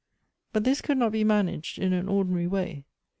But this could not be managed in an ordinary way.